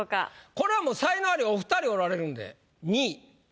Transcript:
これもう才能アリお２人おられるんで２位。